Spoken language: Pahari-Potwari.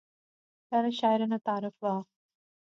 پہلے شاعریں ناں تعارف ہویا